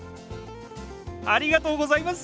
ありがとうございます！